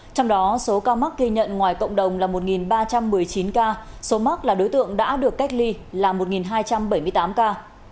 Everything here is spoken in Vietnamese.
trong đó số ca mắc ghi nhận ngoài cộng đồng là một ba trăm một mươi chín ca số mắc là đối tượng đã được cách ly là một hai trăm bảy mươi tám ca